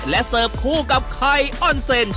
และเสิร์ฟคู่กับไข่ออนเซ็น